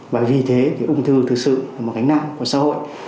và vì thế thì ung thư thực sự là một gánh nặng của xã hội